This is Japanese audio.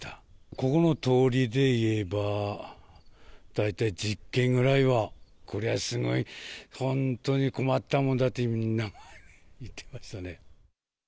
ここの通りで言えば、大体１０軒ぐらいは、こりゃすごい、本当に困ったもんだってみんな言ってましたね。